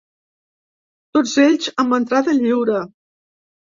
Tots ells amb entrada lliure.